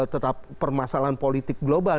tetap permasalahan politik global